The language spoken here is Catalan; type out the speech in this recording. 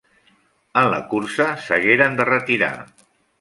En la cursa s’hagueren de retirar.